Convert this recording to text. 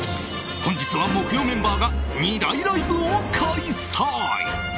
本日は、木曜メンバーが２大ライブを開催。